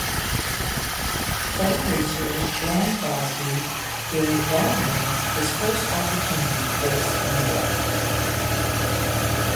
Fellow racer, Graeme Crosby gave Gardner his first opportunity to race in Europe.